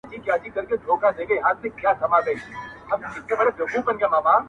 • ده ناروا.